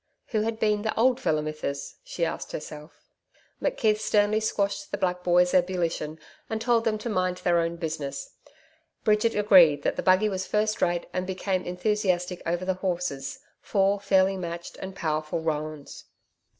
Who had been the old feller Mithsis? she asked herself. McKeith sternly quashed the black boys' ebullition and told them to mind their own business. Bridget agreed that the buggy was first rate and became enthusiastic over the horses, four fairly matched and powerful roans.